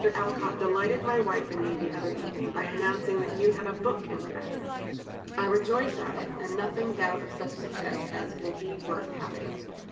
Alcott delighted my wife and me, the other evening, by announcing that you had a book in press. I rejoice at it, and nothing doubt of such success as will be worth having.